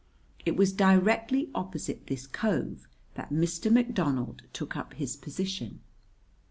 It was directly opposite this cove that Mr. McDonald took up his position.